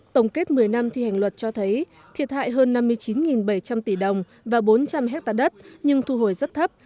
tổng kết một mươi năm thi hành luật cho thấy thiệt hại hơn năm mươi chín bảy trăm linh tỷ đồng và bốn trăm linh hectare đất nhưng thu hồi rất thấp